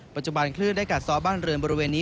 ปัจจุบันคลื่นได้กัดซ้อบ้านเรือนบริเวณนี้